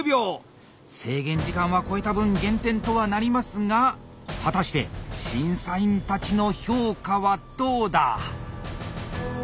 制限時間は超えた分減点とはなりますが果たして審査員たちの評価はどうだ。